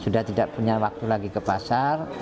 sudah tidak punya waktu lagi ke pasar